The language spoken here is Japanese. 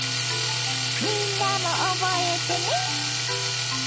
みんなも覚えてね！